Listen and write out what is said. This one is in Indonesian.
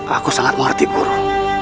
aku sangat mengerti guru